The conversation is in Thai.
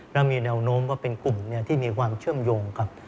แล้วมีแนวโน้มว่าเป็นกลุ่มที่มีความเชื่อมโยงกับ